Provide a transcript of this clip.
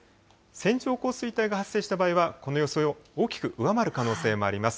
線状降水帯が発生した場合は、この予想を大きく上回る可能性もあります。